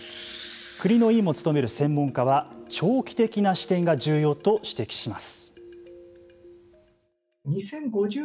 国の委員長も務める専門家は長期的な視点が重要と指摘します。